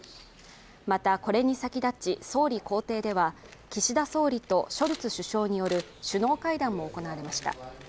また、これに先立ち、総理公邸では岸田総理とショルツ首相による首脳会談も行われました。